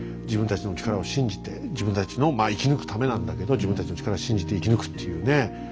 自分たちの力を信じて自分たちのまあ生き抜くためなんだけど自分たちの力を信じて生き抜くっていうね。